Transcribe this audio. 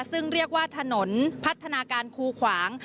ซึ่งเรียกว่าถนนพัฒนาการคูขวาง